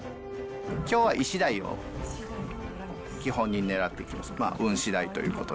きょうはイシダイを基本に狙っていきます。